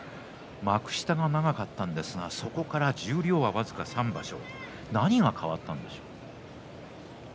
幕下が長かったですが十両は僅か３場所何が変わったんですか？